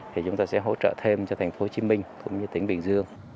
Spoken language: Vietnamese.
thì chúng ta sẽ hỗ trợ thêm cho tp hcm cũng như tỉnh bình dương